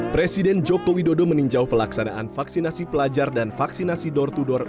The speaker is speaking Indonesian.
presiden joko widodo meninjau pelaksanaan vaksinasi pelajar dan vaksinasi door to door